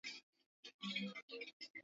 Kiswahili kilianza kama lugha ya miji na